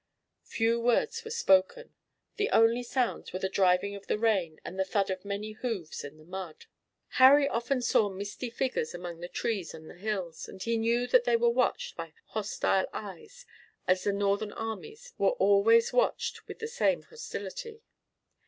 Few words were spoken. The only sounds were the driving of the rain and the thud of many hoofs in the mud. Harry often saw misty figures among the trees on the hills, and he knew that they were watched by hostile eyes as the Northern armies in Virginia, were always watched with the same hostility.